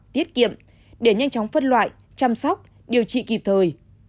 tiết kiệm để nhanh chóng phân loại chăm sóc điều trị kịp thời